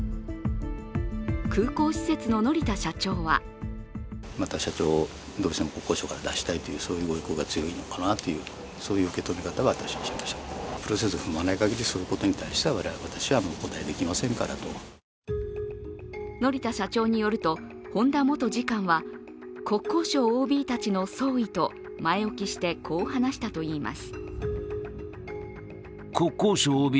空港施設の乗田社長は乗田社長によると、本田元次官は国交省ＯＢたちの総意と前置きして、こう話したといいます。